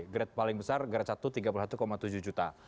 grade paling besar grade satu tiga puluh satu tujuh juta